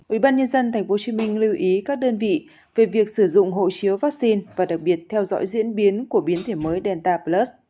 ủy ban nhân dân tp hcm lưu ý các đơn vị về việc sử dụng hộ chiếu vaccine và đặc biệt theo dõi diễn biến của biến thể mới delta plus